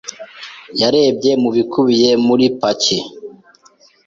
yarebye mu bikubiye muri paki.